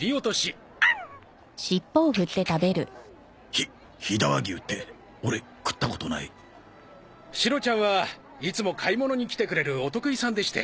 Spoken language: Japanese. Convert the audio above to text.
ひ飛騨和牛ってオレ食ったことないシロちゃんはいつも買い物に来てくれるお得意さんでして。